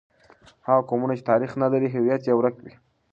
هغه قومونه چې تاریخ نه لري، هویت یې ورک وي.